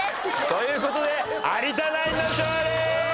という事で有田ナインの勝利！